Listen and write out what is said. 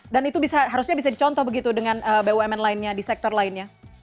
dan itu harusnya bisa dicontoh begitu dengan bumn lainnya di sektor lainnya